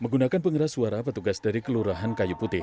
menggunakan pengeras suara petugas dari kelurahan kayu putih